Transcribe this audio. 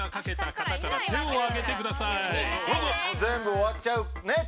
全部終わっちゃうねっ。